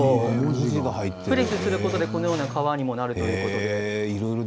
プレスすることでこのような革にもなるということです。